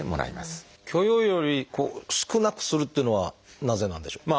許容量より少なくするっていうのはなぜなんでしょう？